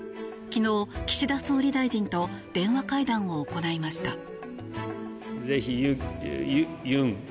昨日、岸田総理大臣と電話会談を行いました。